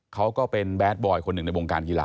เขาก็เป็นแดดบอยคนหนึ่งในวงการกีฬา